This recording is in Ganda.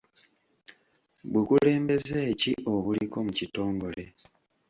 Bukulembeze ki obuliko mu kitongole?